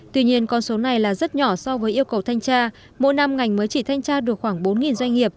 tuy nhiên con số này là rất nhỏ so với yêu cầu thanh tra mỗi năm ngành mới chỉ thanh tra được khoảng bốn doanh nghiệp